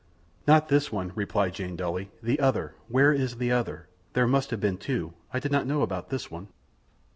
"Not this one," replied Jane dully. "The other. Where is the other? There must have been two. I did not know about this one."